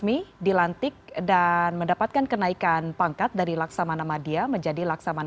waww situs penulis konterara an di bawah video ini saja